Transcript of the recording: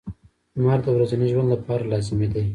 • لمر د ورځني ژوند لپاره لازمي دی.